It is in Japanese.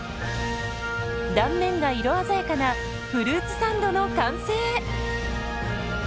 断面が色鮮やかなフルーツサンドの完成。